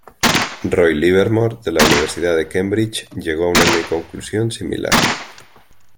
Roy Livermore, de la Universidad de Cambridge, llegó a una conclusión similar.